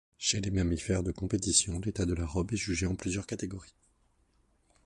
Chez les mammifères de compétition, l'état de la robe est jugé en plusieurs catégories.